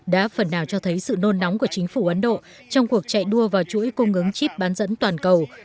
đã phần nào cho thấy sự nôn nóng của chính phủ ấn độ trong cuộc chạy đua vào chuỗi cung ứng chip bán dẫn toàn cầu